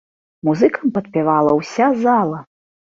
Музыкам падпявала ўся зала.